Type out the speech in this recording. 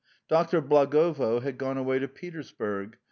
Doctor Blagovo had gone to Petersburg.